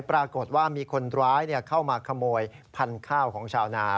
ปรากฏว่ามีคนร้ายเข้ามาขโมยพันธุ์ข้าวของชาวนา